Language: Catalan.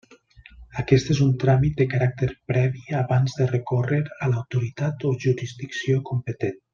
Aquest és un tràmit de caràcter previ abans de recórrer a l'autoritat o jurisdicció competent.